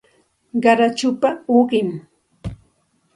Qarachupa uqim